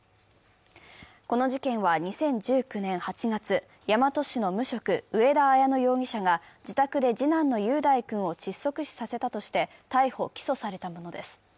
この事件は２０１９年８月、大和市の無職、上田綾乃容疑者が自宅で次男の雄大君を窒息死させたとして逮捕・起訴されたものです。